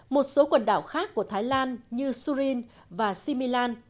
một số quần đảo khác của thái lan như surin và similan